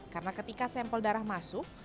karena ketika sampel darah masuk